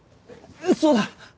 そうだ。